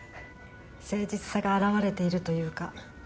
誠実さが表れているというか。